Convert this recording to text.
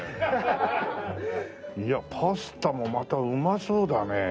いやパスタもまたうまそうだね。